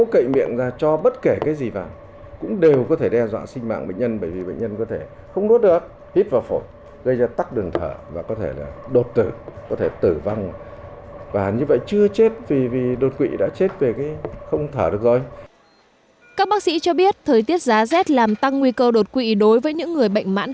các bác sĩ cho biết thời tiết giá rét làm tăng nguy cơ đột quỵ đối với những người bệnh mạng